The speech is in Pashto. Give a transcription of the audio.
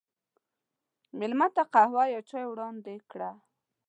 مېلمه ته قهوه یا چای وړاندې کړه.